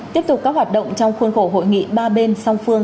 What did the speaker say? tiếp tục các hoạt động trong khuôn khổ hội nghị ba bên song phương